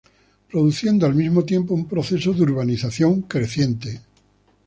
Produciendo al mismo tiempo, un proceso de urbanización creciente.